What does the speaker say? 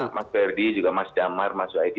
terutama mas berdi juga mas damar mas zuaidi